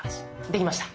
できました。